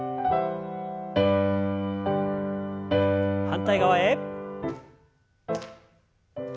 反対側へ。